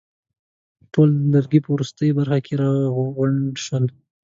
ټول د لرګي په وروستۍ برخه کې راغونډ شول.